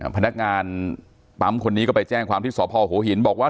พนักงานปั๊มคนนี้ก็ไปแจ้งความที่สพหัวหินบอกว่า